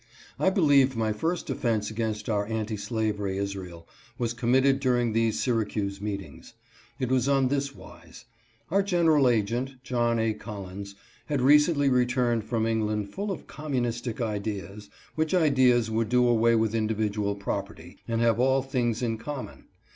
I believe my first offense against our Anti Slavery Israel was committed during these Syracuse meetings. It was on this wise : Our general agent, John A. Collins, had recently returned from England full of communistic ideas, which ideas would do away with individual prop erty, and have all things in common.